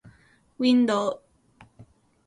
window